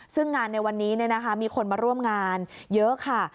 ซึ่งงานในวันนี้เนี่ยนะคะมีคนมาร่วมงานเยอะค่ะ